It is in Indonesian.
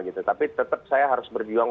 gitu tapi tetap saya harus berjuang